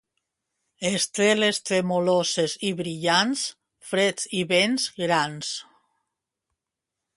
Estreles tremoloses i brillants, freds i vents grans.